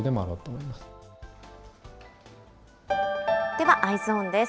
では、Ｅｙｅｓｏｎです。